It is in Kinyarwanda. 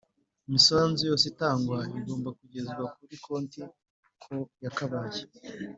Imisanzu yose itangwa igomba kugezwa kuri konti uko yakabaye